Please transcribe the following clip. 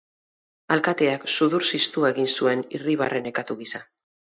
Alkateak sudur-ziztua egin zuen, irribarre nekatu gisa.